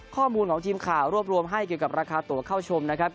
ข้อมูลของทีมข่าวรวบรวมให้เกี่ยวกับราคาตัวเข้าชมนะครับ